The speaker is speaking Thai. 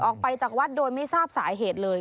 ออกไปจากวัดโดยไม่ทราบสาเหตุเลย